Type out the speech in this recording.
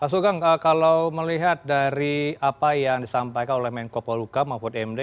pak sugeng kalau melihat dari apa yang disampaikan oleh menko poluka mahfud md